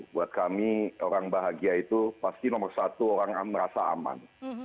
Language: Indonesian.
buat kami orang bahagia itu pasti nomor satu orang merasa aman